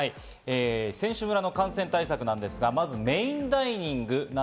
選手村の感染対策なんですが、まずメインダイニング。